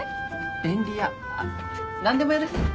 便利屋なんでも屋です。